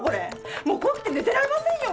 もう怖くて寝てられませんよ。